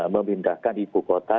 memindahkan ibu kota